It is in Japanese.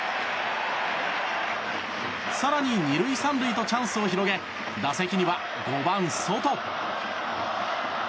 更に、２塁３塁とチャンスを広げ打席には５番、ソト。